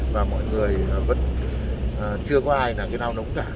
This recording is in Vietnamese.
và mọi người vẫn chưa có ai nào nào nóng cả